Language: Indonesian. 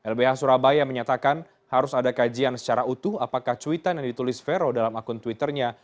lbh surabaya menyatakan harus ada kajian secara utuh apakah cuitan yang ditulis vero dalam akun twitternya